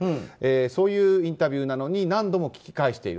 そういうインタビューなのに何度も聞き返している。